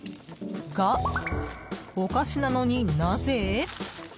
が、お菓子なのになぜ？